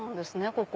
ここ。